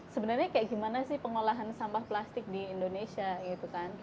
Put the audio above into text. sebenarnya kayak gimana sih pengolahan sampah plastik di indonesia gitu kan